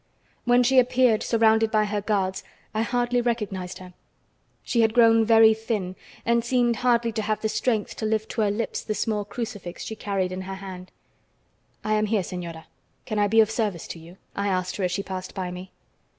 When she appeared, surrounded by her guards, I hardly recognized her. She had grown very thin and seemed hardly to have the strength to lift to her lips the small crucifix she carried in her hand. "I am here, señora. Can I be of service to you?" I asked her as she passed by me.